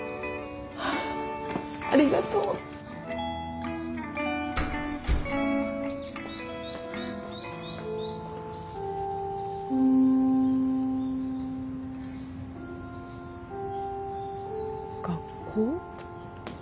ありがとう。学校？